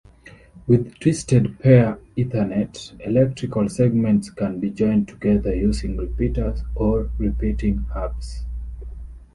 With twisted-pair Ethernet, electrical segments can be joined together using repeaters or repeating hubs.